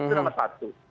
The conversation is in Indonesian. itu nomor satu